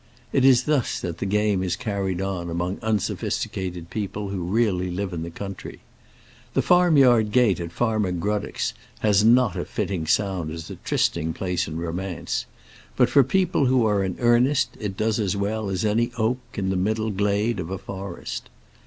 It is thus that the game is carried on among unsophisticated people who really live in the country. The farmyard gate at Farmer Gruddock's has not a fitting sound as a trysting place in romance, but for people who are in earnest it does as well as any oak in the middle glade of a forest.